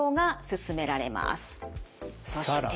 そして。